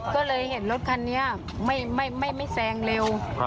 ก็เลยเห็นรถคันนี้ไม่แซงเร็ว